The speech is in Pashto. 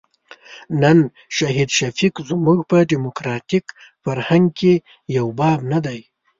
نن شهید شفیق زموږ په ډیموکراتیک فرهنګ کې یو باب نه دی.